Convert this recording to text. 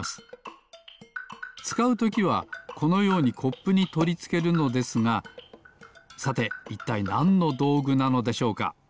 つかうときはこのようにコップにとりつけるのですがさていったいなんのどうぐなのでしょうか？